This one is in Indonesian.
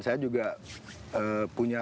saya juga punya